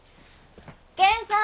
源さん！